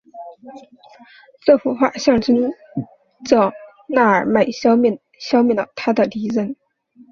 这幅画象征着那尔迈消灭了他的敌人。